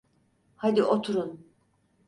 Hadi, oturun.